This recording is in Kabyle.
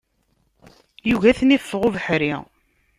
Yugi ad ten-iffeɣ ubeḥri.